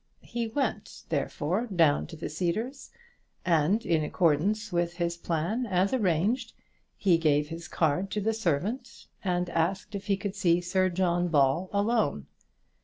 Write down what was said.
He went, therefore, down to the Cedars, and in accordance with his plan as arranged, he gave his card to the servant, and asked if he could see Sir John Ball alone.